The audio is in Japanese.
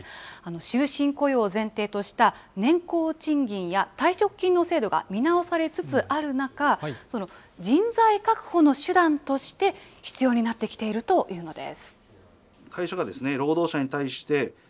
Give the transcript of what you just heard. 終身雇用を前提とした年功賃金や退職金の制度が見直されつつある中、その人材確保の手段として必要になってきているというのです。